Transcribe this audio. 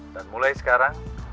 dan mulai sekarang